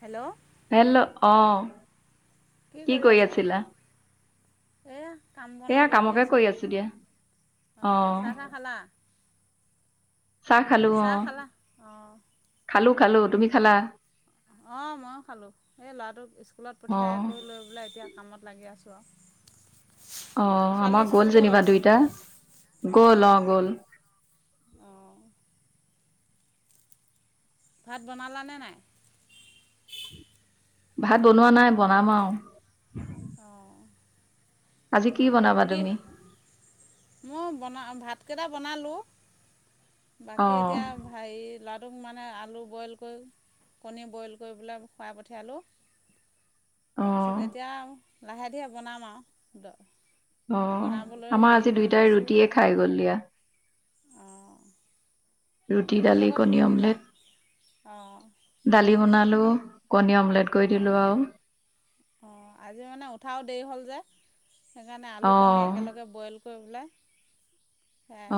Hello hello অ কি কৰি আছিলা এ থাম এয়া বনত লাগি কামকে আছোঁ কৰি আছো দিয়া অ অঁ চাহ তাহ খালা চাহ খালো অ চাহ খালা অঁ খালো খালো তুমি খালা অ মইও খালো এই ল'ৰাটোক স্কুলত অ পঠিয়াই কৰি লৈ পেলাই এতিয়া কামত লাগি আছো। চোৱা অ আমাৰ গ'ল যেনিবা দুইটা গ'ল অ অঁ গ'ল অঁ ভাত বনালানে নাই ভাত বনোৱা নাই বনাম আউ অঁ আজি কি বনাবা কি তুমি মই বনা আ ভাত কেইটা বনালোঁ অ বাকী এতিয়া ভাই লৱা- টোক মানে আলু বইল কৈ কণী বইল কৈ পেলাই খুৱাই পঠিয়ালোঁ। অ তাৰপিছত এতিয়া লাহে ধীৰে বনাম আও দ অ আমাৰ আজি দুইটাই ৰুটিয়ে খাই গ'ল দিয়া। অঁ ৰুটি ৰুটিৰ দালি লগত কি কণী দিলা অমলেট অঁ দালি বনালো। কণী অমলেট কৈ দিলো আও অ আজি মানে উঠাও দেৰি হল যে সেইকাৰণে অ আলু কণী একেলগে বইল কৈ পেলাই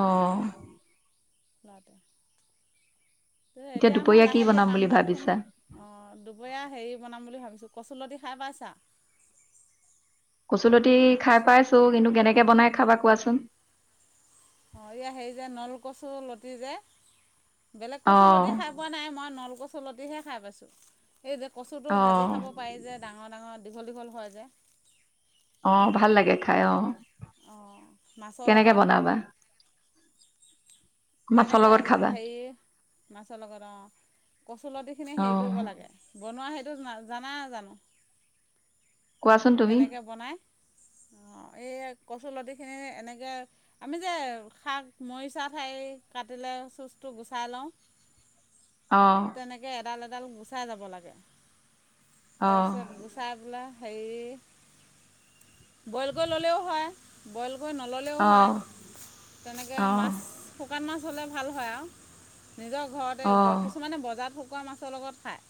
অ খাই গ'ল। মতে ত এতিয়া মই দুপৰীয়া কি লাহে ধিয়ে বনাম বুলি কাম বনখিনি ভাবিছা অ, দুপৰীয়া হেৰি বনাম বুলি ভাবিছোঁ। কচুলতি খাই পাইছা? কচুলতি খাই কচু পাইছো। কিন্তু, কেনেকে বনাই খাবা কোৱাচোন চোন। অ' এয়া হেৰি যে, নলকচু লতি যে, বেলেগ কচু অঁ লতি খাই পোৱা নাই। মই নলকচু লতি হে খাই পাইছোঁ। সেই যে, কচুটো ভাজি অঁ খাব পাৰি যে, ডাঙৰ-ডাঙৰ। দীঘল-দীঘল হয় যে? অ', সেইটো ভাল লাগে খাই, অ' কেনেকে বনাবা? কেনে মাছৰ কে লগত খাবা মাছৰ লগত অ' কচুলতিখিনি হেৰি অঁ কৰিব লাগে। ব মই সেইটো জানা জানো? কোৱাচোন তুমি কেনেকে বনাই অ' এই, কচুলতি খিনি এনেকে, আমি যে, শাক মৰিচা ঠাৰি কাটিলে চুঁচটো গুচাই লওঁ, অঁ তেনেকে এডাল, এড এডাল গুচাই যাব লাগে। অঁ তাৰপিছত গুচাই পেলাই। সেই বইল কৰি ল'লেও হয়। বইল। কৰি নল'লেও হয়। অঁ তেনেকে অঁ মাছ, শুকান মাছ। হ'লে ভাল হয় আৰু। নিজৰ ঘৰতে, অঁ কিছুমানে বজাৰত হ শুকোৱা মাছৰ লগত খায়।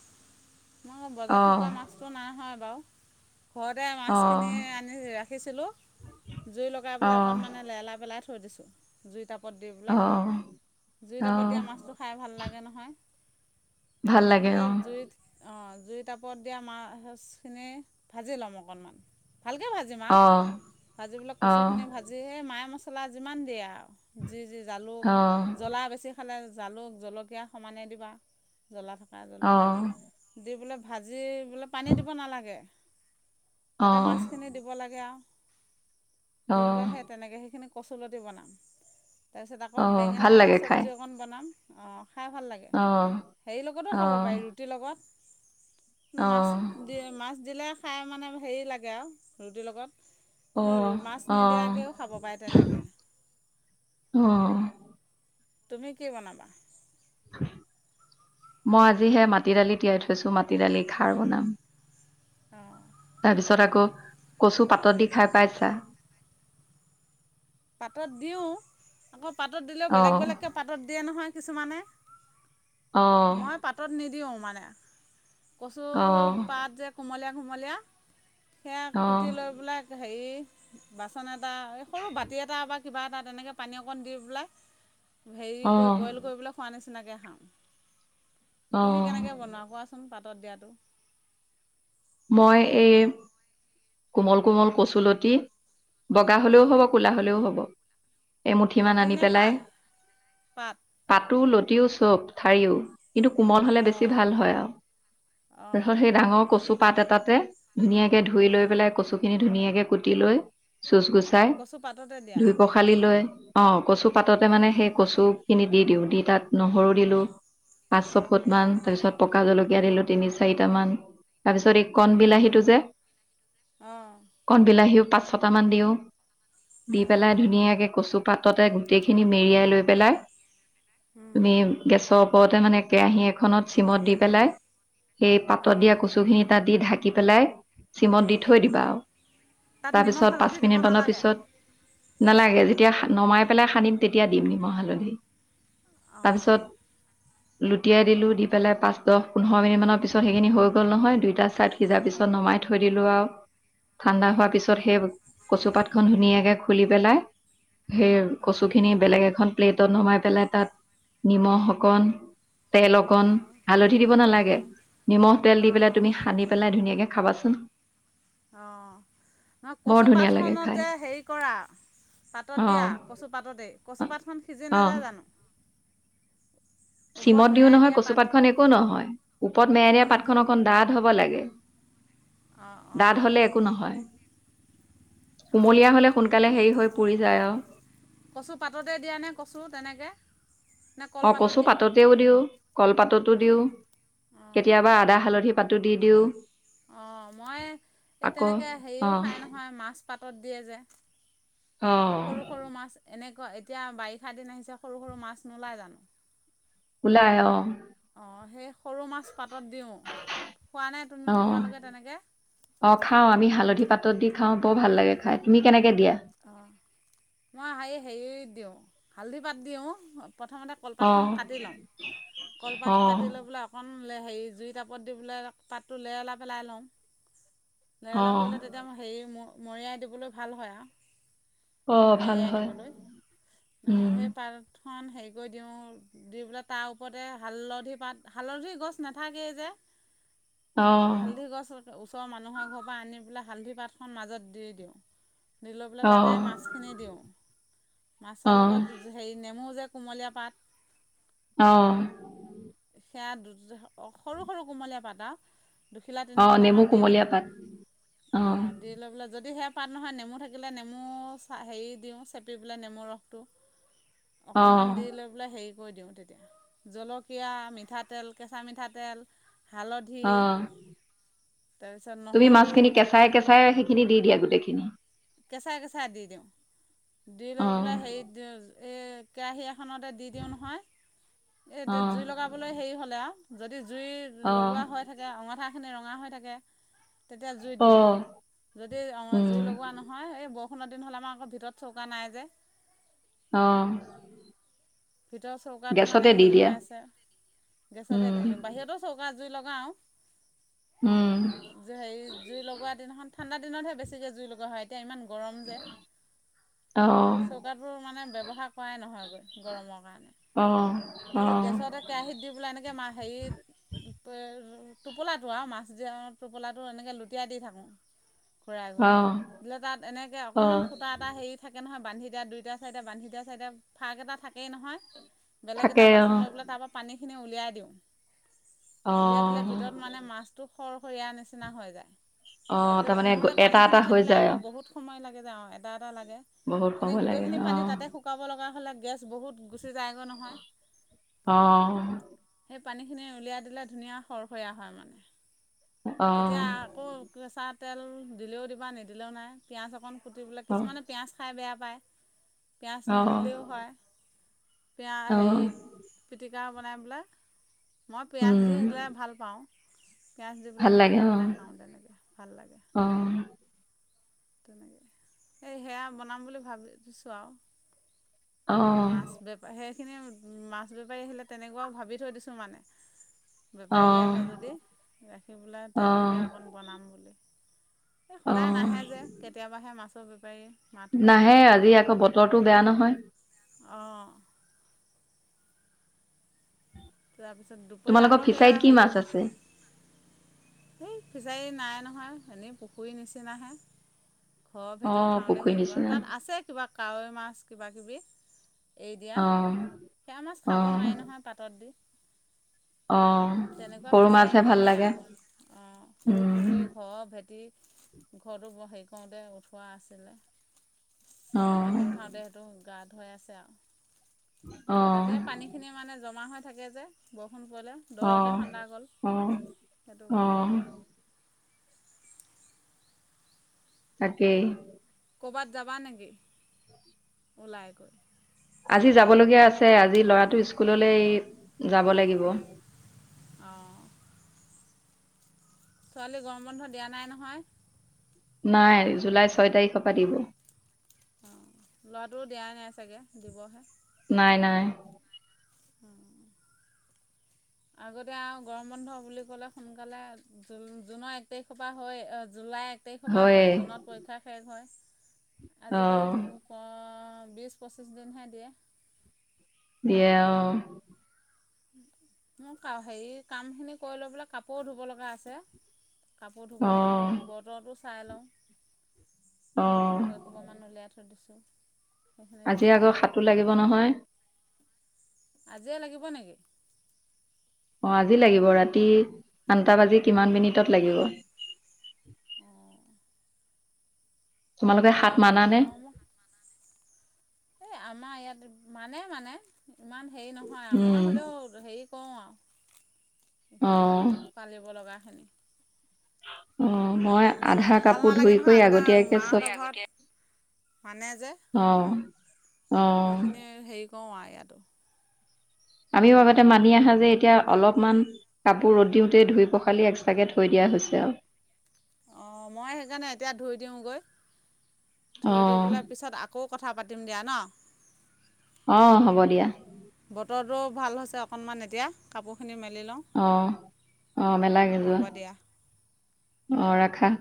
মই অঁ বজাৰত শুকোৱা মাছটো নাই হয় বাৰু। ঘৰতে অঁ মাছখিনি আনি ৰাখিছিলোঁ, জুই লগাই পেলাই অঁ অকণমানে লেৰেলা। লাই থৈ দিছো। জুই তা পত দি বোলে। অঁ জুই তাপত অঁ দিয়া মাছটো খাই ভাল লাগে নহয়। ভাল তাৰ পিছত লাগে সেই অঁ জুইত অ', জুই টাপত দিয়া মাছখিনি ভাজি ল'ম অকণমান। ভালকৈ ভাজিম আৰু অঁ ভাজিবলে অঁ কচুখিনি ভাজি মায়ে মচ চলা যিমান দিয়ে আৰু জি জি জালুক অঁ জ্বলা বেছি। খালে জালুক জলকীয়া সমানে দিবা। জ্বলা থকা জলকীয়া অঁ দি পেলে ভাজি বোলে পানী দিব নালাগে তাতে অঁ মাছখিনি দিব লাগে আও দি অঁ পেলাই সে তেনেকে সেইখিনি কচুলতি বনাম তাৰপিছত আকৌ অঁ বেঙেনা ভাল লাগে খাই চব্জি অকণ বনাম অ খাই ভাল লাগে অঁ হেৰি লগতো খাব অঁ পাৰি ৰুটিৰ লগত মাছ অঁ দি মাছ দিলে খাই মানে হেৰি লাগে আৰু ৰুটিৰ অঁ লগত মাছ অঁ নিদিয়াকেও খাব পাৰে তেনেকে অ তুমি কি বনাবা? মই আজিহে মাটি দালি তিয়াই থৈছো মাটি দালি খাৰ বনাম অঁ তাৰপিছত আকৌ কচুপাতত দি খাই পাইছা পাতত দিওঁ আকৌ পাতত দিলেও অ বেলেগ বেলেক পাতত দিয়ে নহয় কিছুমানে অ মই পাতত নিদিওঁ মানে কচুৰ পাত অ যে কোমলীয়া কোমলীয়া সেয়া অ কুটি লৈ পেলাই হেৰি বাচন এটা কেইটা বাক কিবা এটা তেনেকে পানী অকণ দি পেলাই হেৰি অ কৰি বইল কৰিবলৈ খোৱা নিছি নিচিনাকে খাম অ তুমি কেনেকে বনোৱা কোৱাচোন পাত? পাতত দিয়াটো। মই এই কোমল কোমল কচুলতি বগা হলেও অঁ হ'ব কুলা হলেও হ'ব। এই মুুঠি মান আনি লতিনে পেলাই, পাত পাত পাতো ল টিও চব ঠাৰিও। কিন্তু কোমল হলে বেছি অঁ ভাল হয় আও। অঁ তাৰছত সেই ডাঙৰ কচু পাত এটাতে ধুনীয়াক ধুই লৈ পেলাই কচুখিনি ধুনীয়াকে কুটি লৈ চুঁচ গুচাই, কচু পাততে দিয়া ধুই পখালি লৈ অ কচু পাততে মানে অঁ সেই কচু খিনি দি দিওঁ দি তাত নহৰু দিলো পাঁচ ছ ফুট মান অঁ তাৰ পিছত পকা জল কিয়া দিলো তিনি চাৰিট মান তাৰপিছত এই কণ অঁ বিলাহীটো যে, অঁ কণ বিলাহীও পাঁচ ছটা মান দিও। দি পেলাই অঁ ধুনীয়াকে কচু পাততে গোটেইখিনি মেৰিয়াই লৈ পেলাই তুমি গেছত ওপৰতে মানে কেৰাহী এখনত চিমত দি পেলাই এই পাতত অঁ দিয়া কচো দি ঢাকি পেলাই চিমন দি থৈ দিবা আও। তাত নিমখ তাৰপিছত পাঁচ হালধি দিব মিনিটমানৰ নালাগে পিছত নালাগে যেতিয়া নমাই পেলাই সানিম তেতিয়া দিম নিমখ হালধি। অঁ তাৰপিছত লুটিয়াই দিলো দি পেলাই পাঁচ দহ পোন্ধৰ মিনিটানৰ পিছত সেইখিনি হৈ গল নহয় দুইটা ছাইড সিজা পিছত নমাই থৈ দিলো আও। ঠাণ্ডা হোৱাৰ অঁ পিছত সেই কচু পাত খন ধুনীয়াকে খুলি পেলাই সেই কচু অঁ খিনি বেলেগ এখন প্লেটত নমাই পেলাই তাত নিমখ অকণ তেল অকণ অঁ হালধি দিব নালাগে, অঁ নিমখ তেল দি অঁ অঁ পেলাই তুমি সানি পেলাই ধুনীয়াকে কে খাবাচোন অ নহয় বৰ ধুনীয়া লাগে কচুপাতখনত খাই যে হেৰি কৰা পাতত অ দিয়া কচু পাততেই কচুপাতখন সিজি অ নাযায় জানো ওপৰত চিমত দিও মেৰাই নহয় দিয়া কচু পাতখন একো নহয় ওপৰত একো মেৰানিয়া নহয় পাতখন অকন ডাঠ হ'ব লাগে। অঁ ডাঠ অঁ হ'লে একো নহয় অ কুমলীয়া হ'লে ম সোনকালে হেৰি হৈ পুৰি যায় আৰু কচু পাততে দিয়া নে কচু তেনেকে নে অ কলপাতত কচু দিয়া পাততেও দিও কলপাততো অঁ দিওঁ অঁ কেতিয়াবা আদা, হালধি পাতো দি দিওঁ। অ মই এই আকৌ তেনেকে হেৰিও অঁ খাই নহয় মাছ পাতত দিয়ে যে অঁ সৰু সৰু মাছ এনে এতিয়া বাৰিষা দিন আহিছে সৰু সৰু মাছ নোলাই জানো? ওলাই অ অঁ সেই সৰু মাছ পাতত দিওঁ খোৱা নাই অঁ তোমালোকে তেনেকে। অঁ খাওঁ আমি হালধি পাতত দি খাওঁ বৰ ভাল লাগে খাই। তুমি কেনেকৈ দিয়া? অ মই সাই হেৰি দিওঁ হালধি পাত দিওঁ। প্ৰথমতে অঁ কলপাতখন কাটি লওঁ কলপাত অঁ কাটি লৈ পেলাই অকণ হে জুই টাপত দি পেলাই পাতটো লে লাই পেলাই লওঁ। লেহলা অঁ পৰিলে তেতিয়া মই হেৰি মো- মৰিয়াই দিবলৈ ভাল হয় আও অঁ ভাল মেৰিয়াই হয় দিবলৈ উম, সেই পাত হেৰি কৰি দিওঁ দি পেলাই তাৰ ওপৰতে হালধি পাত হালধি গছ নাথাকেই যে অ হালধি গছ ওচৰৰ মানুহৰ ঘৰৰ পৰা আনি পেলাই হালধি পাতখন মাজত দি দিওঁ। দি লৈ পেলাই তাতে অঁ মাছখিনি দিওঁ মাছৰ অঁ লগত হেৰি নেমু যে কুমলীয়া পাত আহ সেয়াত সৰু সৰু কোমলীয়া পাতা। দুখিলা অঁ নেমু তিনিখিলামান দি দিওঁ কুমলীয়া পাত অ অঁ দি লৈ পেলাই যদি সেয়া পাত নহয় নেমু থাক- নেমু চ হেৰি দিওঁ চেপি পেলাই নেমু ৰসটো অকনমান অঁ দি লৈ বোলে হেৰি কৈ দিওঁ তেতিয়া জলকীয়া মিঠাতেল, কেঁচা মিঠাতেল হালধি অঁ তাৰপিছত তুমি নহৰু মাছখিনি কেচাই কেচাই সেইখিনি দি দিয়া গোটেই কিনি কেঁচা কেঁচা দি দিওঁ দি লৈ অঁ পেলাই হেৰি দি এ কাহে খানতে দি দিওঁ নহয় এইতি অঁ জুই লগাবলৈ হেৰি হ'লে আৰু যদি জুই অহ লগোৱা হৈ থাকে অঙঠা। সনে ৰঙা হৈ থাকে। তেতিয়া জুইত দিওঁ অহ যদি উম জুই লগোৱা নহয়। এই বৰষুণৰ দিন হ'ল আমাৰ আকৌ ভিতৰত চৌকা নাই যে আহ ভিতৰৰ চৌকাটো মানে হেৰি হৈ আছে। গেছতে দি উম দিওঁ বাহিৰতো চৌকা। জুই লগাওঁ। উম হেৰি জুই লগোৱা দিনাখন। ঠাণ্ডানতহেছে জই লগা হয় এতিয় ইমান গ অহ মান ব্যৱহাৰ ন গৰৰ অহ কাৰণে অহ গেছতে কেৰা দি পেলাই এনে মাছ হেৰি টোপোলাটো আৰু মাছ টোপোলাটো এনেকৈ লুটিয়াই দি থাকোঁ। ঘূৰাই ঘূৰাই অহ বোলে তাত এনেকৈ অকণমান অহ ফুটা এটা হেৰি থাকে নহয়। বান্ধি দা দুটা চাইডে বান্ধি দিয়া এটা থাকে। এই নহয়। বেলেগ এটা থাকে অহ বাচন লৈ পেললে তাৰ পৰা পানী। খিনি উলিয়াই দিওঁ। উলিয়াই দিলে। অহ ভিতৰত মানে মাছটো খৰ সৰিয়া নিচিনা হৈ যায়। অহ একেবাৰে তাৰমানে নহ'লে এটা পানী খিনি এটা হৈ থাকিলে যায় আকৌ আৰু বহুত সময় লাগে যাওঁ। এটা লাগে বহুত এনে সময় গোটেই লাগে খিনি পানী অহ তাতে শুকাব লগা হ'লে গেছ বহুত গ তুলাই ক নহয় অহ পানীখিনি উলিয়াই দিলে। ধুনীয়া সৰসৰীয়া হয় মানে অহ তেতিয়া আকৌ চাত তেল দিলেও দিবা নিদিলেও নাই পিঁয়াজ অকণ যি বিলাক অহ কিছুমান পিয়াজ খাই বেয়া বাই। পিয়াজ অহ নিদিলেও হয়। পিয়াজ অহ হেৰিত পিটি গা বনাই পেলাই মই পিয়াজ উম দি দিলে ভাল পাওঁ। পিঁয়াজ দি পেলাই ভাল লাগে পিটিকা অহ বনাই খাওঁ তেনেকৈ ভাল লাগে। অহ তেনেকে সেয়া বনাম বুলি ভাবিছোঁ আৰু। অহ মাছ বেপে হে মাছ বেপাৰী আহিলে তেনেকুৱাও ভাবি থৈ দিছোঁ মানে। বেপাৰী অহ আহে যদি ৰাখি পেলাই অহ তেনেকৈ অকণ বনাম বুলি। এই সদায় অহ নাহে যে কেতিয়াবাহে মাছ চব পায়। নাহে আজি আকৌ বতৰটো বেয়া নহয়। অঁ তাৰপিছত দুপৰীয়া তোমালোকৰ আকৌ সেয়া ফিচাৰীত কি মাছ আছে হেৰি এই ফিচাৰী নাই নহয় এনেই পুখুৰীৰ নিচিনাহে। ঘৰ অ ভেটি উঠাওতে পুখুৰী হেৰি কৰা নিচিনা তাত আছে কিবা কাৱৈ মাছ। কিবা-কিবি। এ দিয়া অ সেয়া মাছ অ খাব নোৱাৰি নহয় পাতত দি। অ তেনেকুৱা সৰু ফিচাৰী মাছহে ভাল নহয় লাগে আৰু অ সৰু উম পুখুৰী ঘৰৰ ভেটি। ঘৰটো বৰ হেৰি কৰোতে উঠোৱা আছিলে। অ মাটি উঠাওঁতে সেইটো গাত হৈ আছে আৰু। অ তাতে পানী খিনি মানে জমা হয়। থাকে যে বৰষুণ পৰিলে। দৰকৈ আহ খান্দা গ'ল আহ সেইটো বনোৱা আহ তাকেই ক'ৰবাত যাবা নেকি? ওলাই গৈ। আজি যাব লগীয়া আছে আজি ল'ৰাটো স্কুললৈ যাব লাগিব। অঁ ছোৱালী গৰম বন্ধ দিয়া নাই নহয়। নাই জুলাই ছয় তাৰিখৰ পৰা দিব। অঁ ল'ৰাটো দিয়াই নাই চাগৈ দিবহে। নাই নাই আগতে আৱ গৰম বন্ধ বুলি ক'লে সোনকালে জুনৰ এক তাৰিখৰ পৰা হৈ জুলাই এক তাৰিখৰ পৰা হয়ে হয় জুনত পৰীক্ষা শেষ হয়। অ আজি কালি অ বিশ পঁচিছ দিনহে দিয়ে দিয়ে অহঁ মোক আৱ হেৰি কামখিনি কৰিলবলৈ কাপোৰো ধুব লগা আছে কাপোৰ ধুব অ লাগিব বতৰটো চাইলং অ কাপোৰ এসোপা মান উলিয়াই থৈ দিছোঁ। [unintelligible] আজি আকৌ সাতো লাগিব নহয়। আজিয়ে লাগিব নেকি? অহ আজি লাগিব ৰাতি আঠটা বাজি কিমান মিনিটত লাগিব। অঁ তোমালোকে মই হাত মানা নে? অঁ মোক এই আমাৰ ইয়াত মানে মানে ইমান হেৰি নহয় আমাৰ উম, হ'লেও হেৰি কৰোঁ আৰু অ', পালিব লগাখিনি অহঁ যিখিনি ভাল নালাগে নহয় আগতে আগতীয়াকে মাঁ চব হতৰ ঘৰত মানে যে অ', অ', সেইখিনি হেৰি কৰোঁ আও এয়াটো আমিও আগতে মানি অহা যে এতিয়া অলপমান কাপোৰ ৰ'দ দিওঁতেই ধুই পখালি এক্সট্ৰাকে থৈ দিয়া হৈছে আৰু অহঁ মই সেইকাৰণে এতিয়া ধুই দিওঁগৈ থৈ দে অ', পেলাই পিছত আকৌ কথা পাতি দিম দিয়া নহঁ অহঁ হ'ব দিয়া বতৰো ভাল হৈছে অকণমান এতিয়া কাপোৰখিনি মেলি লওঁ অহ অহ মেলাগে যোৱা হ'ব দিয়া অহঁ ৰাখা